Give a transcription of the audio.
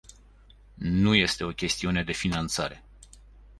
Nu este o chestiune de finanțare.